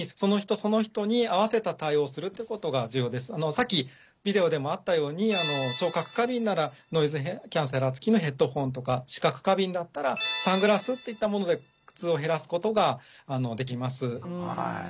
さっきビデオでもあったように聴覚過敏ならノイズキャンセラーつきのヘッドホンとか視覚過敏だったらサングラスっていったもので苦痛を減らすことができます。